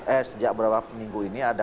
eh sejak beberapa minggu ini ada